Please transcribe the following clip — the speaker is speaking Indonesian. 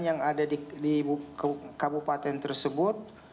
yang ada di kabupaten tersebut